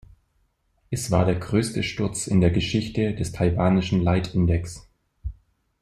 Es war der größte Sturz in der Geschichte des taiwanischen Leitindex.